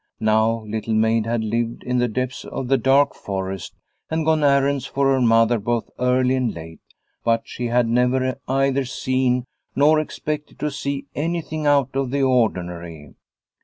Now Little Maid had lived in the depths of the dark forest and gone errands for her mother both early and late, but she had never either seen, or expected to see, anything out of the ordinary.